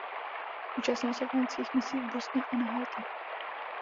Účastnil se vojenských misí v Bosně a na Haiti.